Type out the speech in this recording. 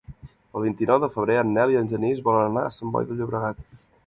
El vint-i-nou de febrer en Nel i en Genís volen anar a Sant Boi de Llobregat.